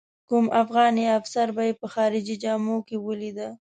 کوم افغان یا افسر به یې په خارجي جامو کې ولیده.